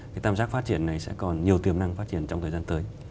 cái tam giác phát triển này sẽ còn nhiều tiềm năng phát triển trong thời gian tới